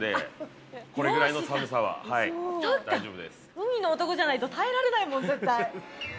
海の男じゃないと耐えられないもん、絶対。